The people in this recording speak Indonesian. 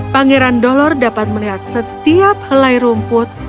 pangeran dolor dapat melihat setiap helai rumput